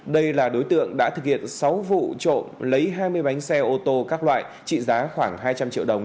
đây là đối tượng đã thực hiện sáu vụ trộm lấy hai mươi bánh xe ô tô các loại trị giá khoảng hai trăm linh triệu đồng